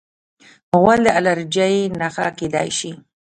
غول د الرجۍ نښه کېدای شي.